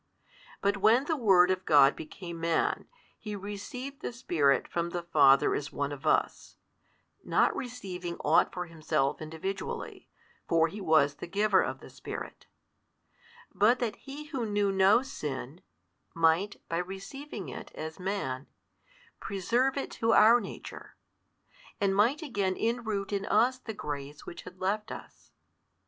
But when the Word of God became Man, He received the Spirit from the Father as one of us, (not receiving ought for Himself individually, for He was the Giver of the Spirit); but that He Who knew no sin, might, by receiving It as Man, preserve It to our nature, and might again inroot in us the grace which had left us.